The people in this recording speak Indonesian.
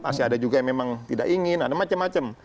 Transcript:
masih ada juga yang memang tidak ingin ada macam macam